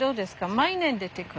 毎年出てくる？